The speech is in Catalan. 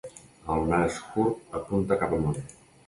El nas curt apunta cap amunt.